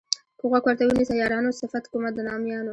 که غوږ ورته ونیسئ یارانو صفت کومه د نامیانو.